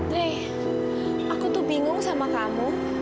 deh aku tuh bingung sama kamu